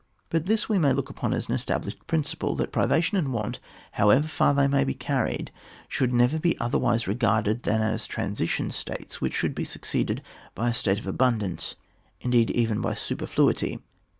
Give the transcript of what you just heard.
But this we may look upon as an established principle, that privation and want, however far they may be carried, should never be other wise regarded than as transition states which should be succeeded by a state of abundance, indeed even by super fluity.